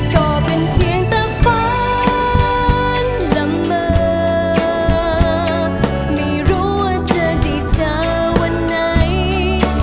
ก็เป็นเพียงแต่ฝันละเมอไม่รู้ว่าจะได้เจอวันไหน